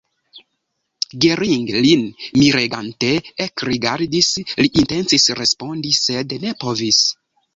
Gering lin miregante ekrigardis; li intencis respondi, sed ne povis.